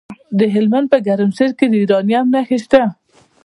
د هلمند په ګرمسیر کې د یورانیم نښې شته.